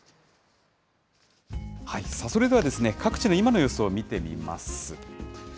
それでは、各地の今の様子を見てみます。